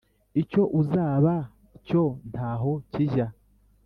Icyo uzaba cyo ntaho kijya